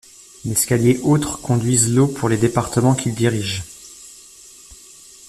L'escalier autres conduisent l'eau pour les départements qu'ils dirigent.